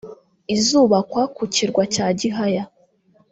izubakwa ku kirwa cya Gihaya